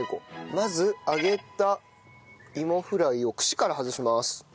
まず揚げたいもフライを串から外します。